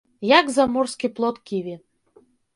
Як заморскі плод ківі.